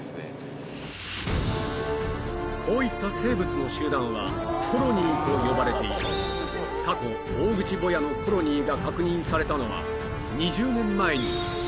こういった生物の集団は「コロニー」と呼ばれている過去オオグチボヤのコロニーが確認されたのはえ！